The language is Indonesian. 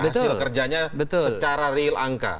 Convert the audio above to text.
hasil kerjanya secara real angka